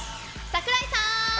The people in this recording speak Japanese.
櫻井さん。